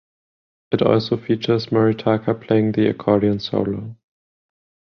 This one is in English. It also features Moritaka playing the accordion solo.